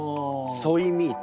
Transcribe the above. ソイミート。